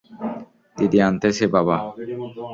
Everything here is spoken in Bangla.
দিদি আনতেছে, বাবা।